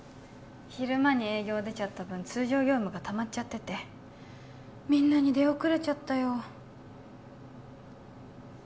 昼間に営業出ちゃった分通常業務がたまっちゃっててみんなに出遅れちゃったよ